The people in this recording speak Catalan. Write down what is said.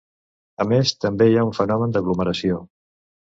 A més, també hi ha un fenomen d'aglomeració.